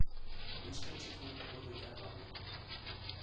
Neska txikiak hori behar al du?